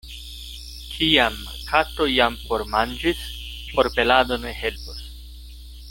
Kiam kato jam formanĝis, forpelado ne helpos.